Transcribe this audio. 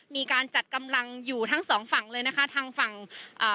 มีการจัดกำลังอยู่ทั้งสองฝั่งเลยนะคะทางฝั่งอ่า